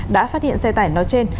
đã phát hiện xe tải nói trên